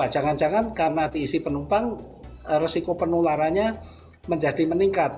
jangan jangan karena diisi penumpang resiko penularannya menjadi meningkat